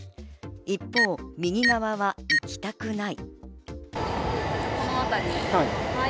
一方、右側は行きたくない。